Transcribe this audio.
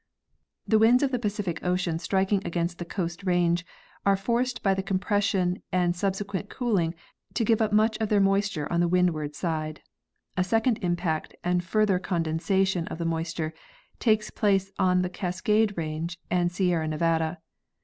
The winds from the Pacific ocean striking against the Coast range are forced by the compression and subsequent cooling to give up much of their moistuge on the windward side; a second impact and further condensation of the moisture takes place on the Cascade range and Sierra Nevada.